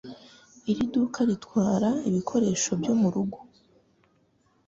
Iri duka ritwara ibikoresho byo murugo.